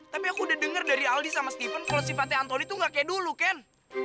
tapi aku udah dengar dari aldi sama stephen kalau sifatnya antoni tuh gak kayak dulu kan